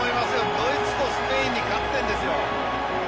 ドイツとスペインに勝っているんですよ。